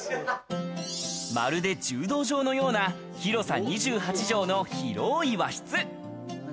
まるで柔道場のような広さ２８畳の広い和室。